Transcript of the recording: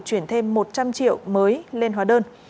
chuyển thêm một trăm linh triệu mới lên hóa đơn